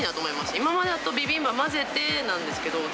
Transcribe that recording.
今までだと、ビビンバ、混ぜてなんですけど。